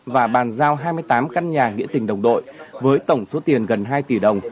và bàn giao hai mươi tám căn nhà nghĩa tình đồng đội với tổng số tiền gần hai tỷ đồng